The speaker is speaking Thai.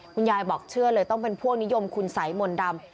คุณยายบอกเชื่อเลยต้องเป็นพวกนิยมคุณสัยมนต์ดำ